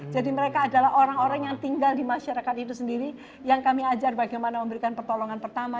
jadi mereka adalah orang orang yang tinggal di masyarakat itu sendiri yang kami ajar bagaimana memberikan pertolongan pertama